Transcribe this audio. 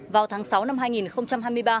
vào tháng sáu năm hai nghìn hai mươi ba